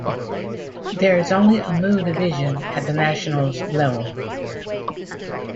There is only a Mu division at the nationals level.